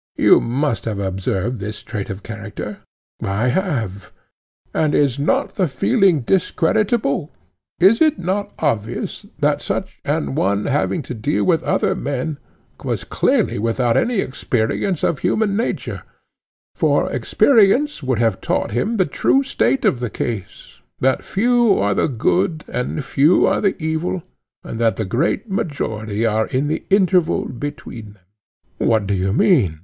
You must have observed this trait of character? I have. And is not the feeling discreditable? Is it not obvious that such an one having to deal with other men, was clearly without any experience of human nature; for experience would have taught him the true state of the case, that few are the good and few the evil, and that the great majority are in the interval between them. What do you mean?